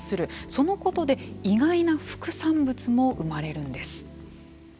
そのことで意外な副産物も生まれるんです。